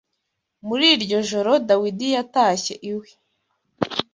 Muri iryo joro Dawidi yatashye iwe